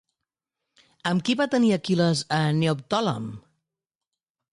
Amb qui va tenir Aquil·les a Neoptòlem?